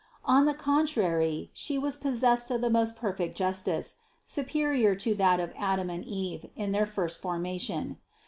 On the contrary She was possessed of the most perfect justice, superior to that of Adam and Eve in their first formation.